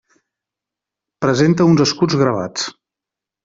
Presenta uns escuts gravats.